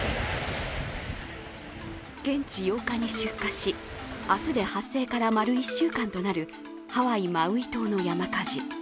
現地８日に出火し、明日で発生から丸１週間となるハワイ・マウイ島の山火事。